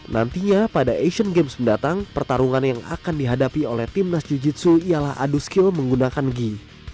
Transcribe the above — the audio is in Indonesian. nantinya pada asian games mendatang pertarungan yang akan dihadapi oleh timnas jiu jitsu ialah adu skill menggunakan gi